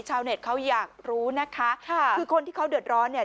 ชาวเน็ตเขาอยากรู้นะคะค่ะคือคนที่เขาเดือดร้อนเนี่ย